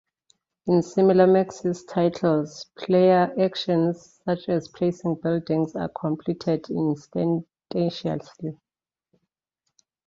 In similar Maxis titles, player actions, such as placing buildings, are completed instantaneously.